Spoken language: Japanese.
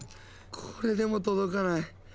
これでも届かない。